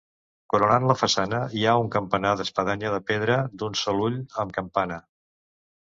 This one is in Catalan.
Coronant la façana hi ha un campanar d'espadanya de pedra d'un sol ull amb campana.